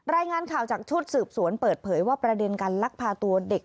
รายงานข่าวจากชุดสืบสวนเปิดเผยว่าประเด็นการลักพาตัวเด็ก